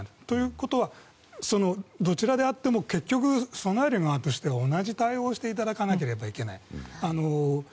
ということは、どちらであっても結局備える側としては同じ対応をしていただかなければならない。